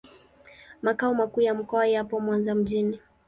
Makao makuu ya mkoa yapo Mwanza mjini.